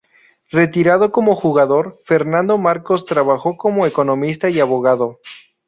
Retirado como jugador, Fernando Marcos trabajó como economista y abogado.